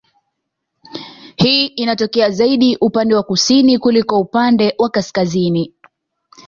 Hii inatokea zaidi upande wa kusini kuliko upande wa kaskazini